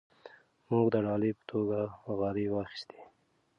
موږ د ډالۍ په توګه غالۍ واخیستې.